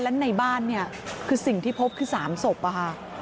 และในบ้านเนี่ยคือสิ่งที่พบคือ๓ศพอะค่ะ